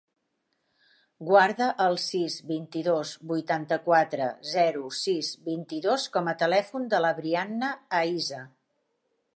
Guarda el sis, vint-i-dos, vuitanta-quatre, zero, sis, vint-i-dos com a telèfon de la Brianna Aisa.